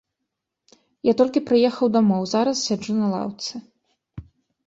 Я толькі прыехала дамоў, зараз сяджу на лаўцы.